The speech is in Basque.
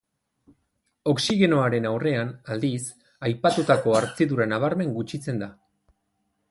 Oxigenoaren aurrean, aldiz, aipatutako hartzidura nabarmen gutxitzen da.